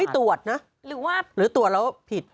ตรวจนะหรือว่าตรวจแล้วผิด